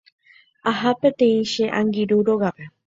Aha peteĩ che angirũ rógape.